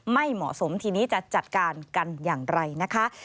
ไม่เหมาะสมทีนี้จะจัดการกันอย่างไรนะคะ